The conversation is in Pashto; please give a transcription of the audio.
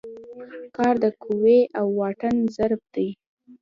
کار د قوې او واټن ضرب دی.